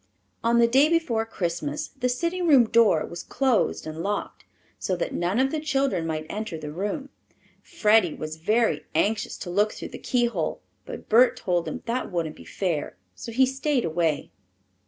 On the day before Christmas the sitting room door was closed and locked, so that none of the children might enter the room. Freddie was very anxious to look through the keyhole, but Bert told him that wouldn't be fair, so he stayed away.